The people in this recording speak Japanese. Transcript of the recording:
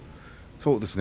そうですね